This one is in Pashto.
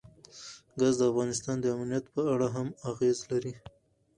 ګاز د افغانستان د امنیت په اړه هم اغېز لري.